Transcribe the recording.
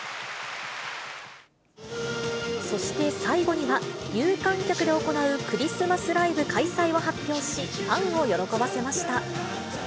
そして最後には、有観客で行うクリスマスライブ開催を発表し、ファンを喜ばせました。